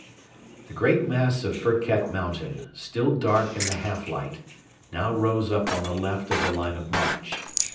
The great mass of Firket mountain, still dark in the half light, now rose up on the left of the line of march.